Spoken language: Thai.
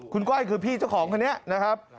คุณก้อยคือพี่เจ้าของคนนี้นะครับ